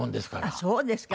あっそうですか。